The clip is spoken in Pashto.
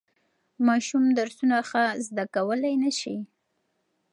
ماشوم درسونه ښه زده کولای نشي.